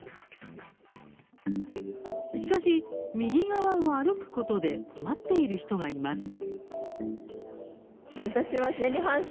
しかし、右側を歩くことで困っている人がいます。